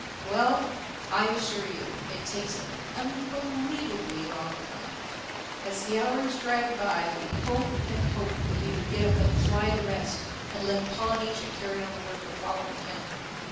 Well, I assure you it takes an unbelievably long time. As the hours dragged by, we hoped and hoped that he would get up and fly the rest, and let Polynesia carry on the work of following him.